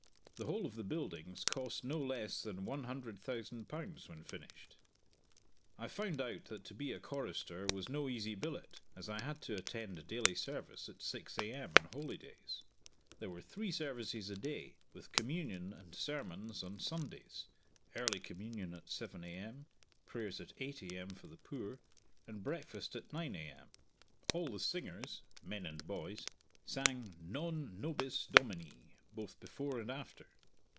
The whole of the buildings cost no less than Ł100,000 when finished. I found out that to be a chorister was no easy billet, as I had to attend daily service at 6 a.m. on Holy Days; there were three services a day, with communion and sermons on Sundays early communion at 7 a.m., prayers at 8 a.m. for the poor, and breakfast at 9 a.m. All the singers (men and boys) sang "Non nobis Domini" both before and after.